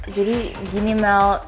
jadi gini mel